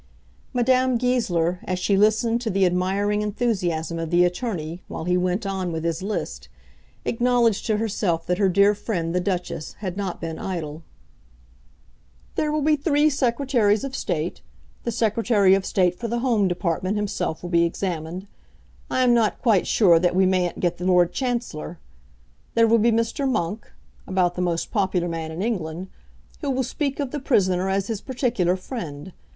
Madame Goesler, as she listened to the admiring enthusiasm of the attorney while he went on with his list, acknowledged to herself that her dear friend, the Duchess, had not been idle. "There will be three Secretaries of State. The Secretary of State for the Home Department himself will be examined. I am not quite sure that we mayn't get the Lord Chancellor. There will be Mr. Monk, about the most popular man in England, who will speak of the prisoner as his particular friend.